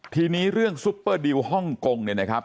ทีนี้เรื่องซุปเปอร์ดิวฮ่องกงเนี่ยนะครับ